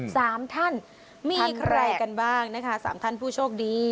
สามท่านมีใครกันบ้างนะคะสามท่านผู้โชคดี